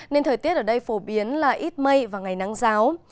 nên thời tiết ở đây phổ biến là ít mây và ngày nắng giáo